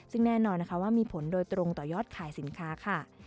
ซึ่งแน่นอนนะคะว่ามีผลโดยตรงต่อยอดขายสินค้าค่ะ